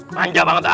manja banget ah